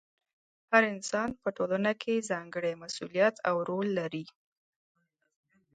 هر انسان په ټولنه کې ځانګړی مسؤلیت او رول لري.